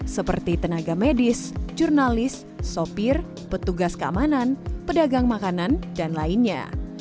seperti tenaga medis jurnalis sopir petugas keamanan pedagang makanan dan lainnya